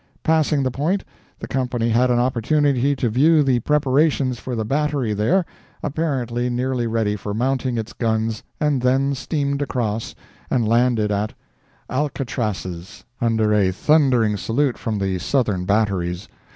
Passing the Point, the company had an opportunity to view the preparations for the battery there, apparently nearly ready for mounting its guns and then steamed across, and landed at ALCATRACES, under a thundering salute from the southern batteries.